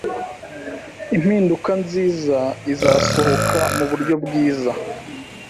Impinduka nziza izasohoka mu buryo bwiza